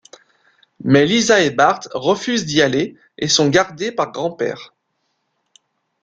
Mais Lisa et Bart refusent d'y aller et sont gardés par Grand-Père.